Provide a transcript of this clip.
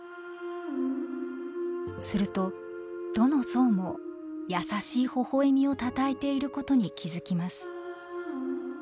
するとどの像も優しいほほえみをたたえていることに気付きます。